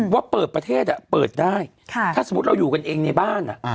ว่าเปิดประเทศเปิดได้ถ้าสมมุติเราอยู่กันเองในบ้าน